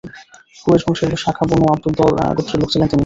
কুরাইশ বংশের শাখা Banu Abdul Dar গোত্রের লোক ছিলেন তিনি।